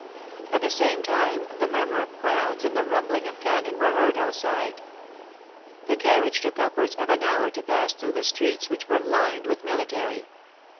At the same time the murmur of crowds and the rumbling of cannon were heard outside. The car riage took upwards of an hour to pass through the streets, which were lined with military.